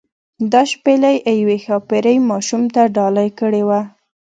دا شپیلۍ یوې ښاپیرۍ ماشوم ته ډالۍ کړې وه.